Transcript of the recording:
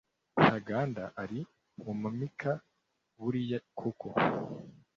Ntaganda ari mumaki buriya koko